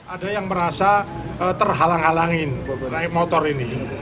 ada yang merasa terhalang halangin naik motor ini